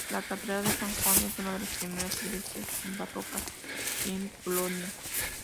La catedral de San Juan es una de las primeras iglesias barrocas en Polonia.